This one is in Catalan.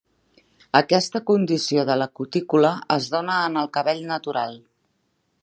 Aquesta condició de la cutícula es dóna en el cabell natural.